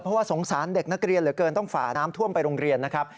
เพราะว่าสงสารเด็กนักเรียนเหลือเกินต้องฝ่าน้ำท่วมไปโรงเรียนนะครับ